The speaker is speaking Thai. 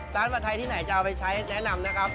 ผัดไทยที่ไหนจะเอาไปใช้แนะนำนะครับ